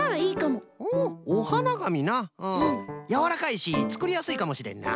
やわらかいしつくりやすいかもしれんな。